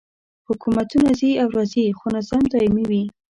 حکومتونه ځي او راځي خو نظام دایمي وي.